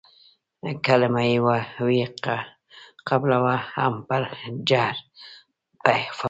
کلمه يې وي قبوله هم په جهر په اخفا